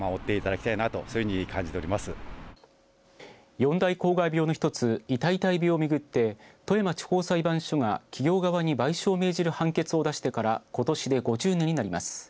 四大公害病の一つイタイイタイ病をめぐって富山地方裁判所が企業側に賠償を命じる判決を出してからことしで５０年になります。